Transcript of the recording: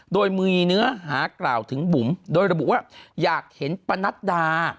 โดยมีเนื้อหากล่าวถึงบุ๋มโดยระบุว่าอยากเห็นปะนัดดา